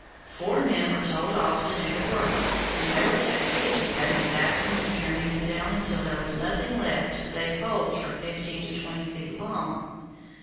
Four men were told off to do the work, and they were kept busy cutting saplings and trimming them down until there was nothing left save poles from fifteen to twenty feet long.